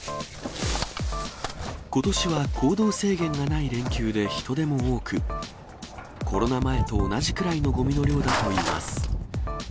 ことしは行動制限がない連休で、人出も多く、コロナ前と同じくらいのごみの量だといいます。